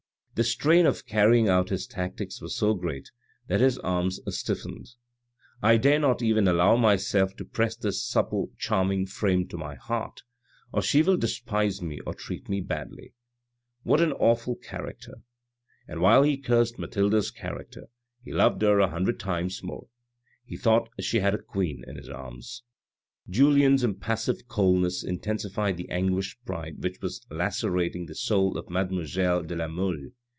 The strain of carrying out his tactics was so great that his arms stiffened. " I dare not even allow myself to press this supple, charming frame to my heart, or she will despise me or treat me badly. What an awful character !" And while he cursed Mathilde's character, he loved her a hundred times more. He thought he had a queen in his arms. Julien's impassive coldness intensified the anguished pride which was lacerating the soul of mademoiselle de la Mole.